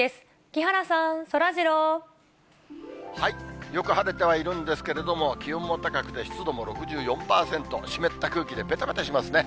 木原さん、そらジロー。よく晴れてはいるんですけれども、気温も高くて、湿度も６４％、湿った空気でべたべたしますね。